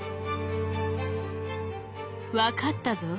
「分かったぞ。